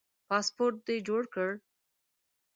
پاسپورټ دي جوړ کړه